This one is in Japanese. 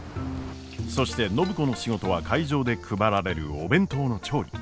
そして暢子の仕事は会場で配られるお弁当の調理。